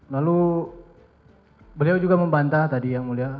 lalu beliau juga membantah tadi yang mulia